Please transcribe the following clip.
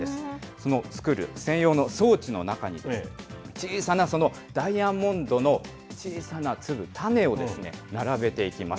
その作る専用の装置の中に、小さなダイヤモンドの小さな粒、種を並べていきます。